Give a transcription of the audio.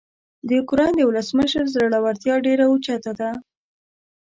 د اوکراین د ولسمشر زړورتیا ډیره اوچته ده.